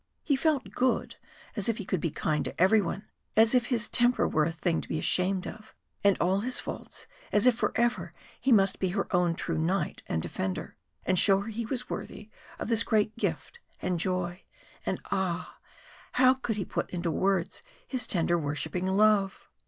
He felt good, as if he could be kind to every one, as if his temper were a thing to be ashamed of, and all his faults, as if for ever he must be her own true knight and defender, and show her he was worthy of this great gift and joy. And ah! how could he put into words his tender worshipping love?